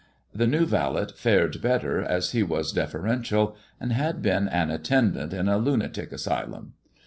The new valet fared better, as he was deferential, and had been an attendant in a lunatic asylum.